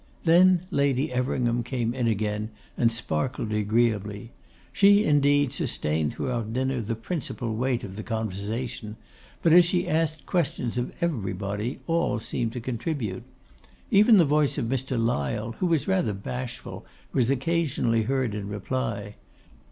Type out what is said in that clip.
Then Lady Everingham came in again, and sparkled agreeably. She, indeed, sustained throughout dinner the principal weight of the conversation; but, as she asked questions of everybody, all seemed to contribute. Even the voice of Mr. Lyle, who was rather bashful, was occasionally heard in reply.